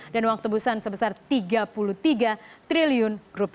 dan uang tebusan sebesar rp tiga puluh tiga triliun